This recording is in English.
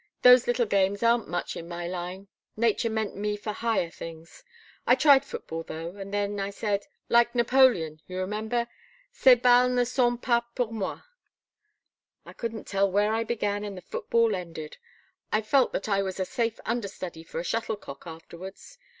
Those little games aren't much in my line. Nature meant me for higher things. I tried football, though, and then I said, like Napoleon you remember? 'Ces balles ne sont pas pour moi.' I couldn't tell where I began and the football ended I felt that I was a safe under study for a shuttlecock afterwards.